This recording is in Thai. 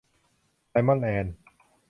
ไรมอน แลนด์